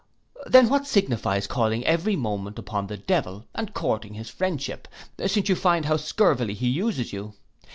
Then what signifies calling every moment upon the devil, and courting his friendship, since you find how scurvily he uses you.